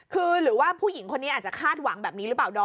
คือหรือว่าผู้หญิงคนนี้อาจจะคาดหวังแบบนี้หรือเปล่าดอม